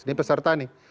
ini peserta nih